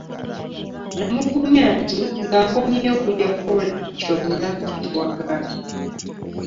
Namugumya nti nga nkomyewo, tujja kukola kyonna kye twagala.